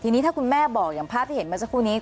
ทีนี้ถ้าคุณแม่บอกอย่างภาพที่เห็นเมื่อสักครู่นี้